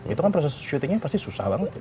itu kan proses syutingnya pasti susah banget